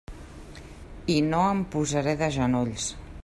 I no em posaré de genolls.